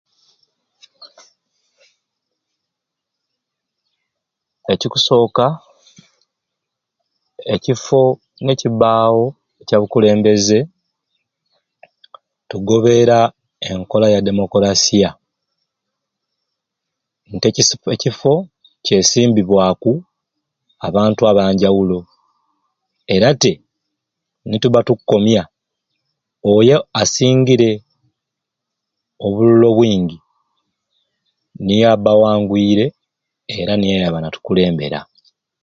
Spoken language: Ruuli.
Ekikusoka ekifo n'ekibawo ekya bukulembeze tugobera enkola ya demokurasia nti ekifo kyesimbibwaku abantu abanjawulo era te n'etuba tukukomya oyo asingire obululu obwingi niye aba awangwire era niye ayaba natukulembera